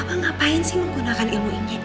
abang ngapain sih menggunakan ilmu ini